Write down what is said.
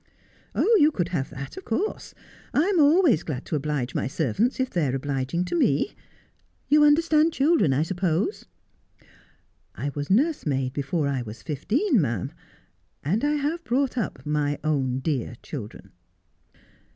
' Oh, you could have that, of course. I am always glad to oblige my servants, if they are obliging to me. You understand children, 1 suppose ?'' I was nursemaid before I was fifteen, ma'am ; and I have brought up my own dear children.'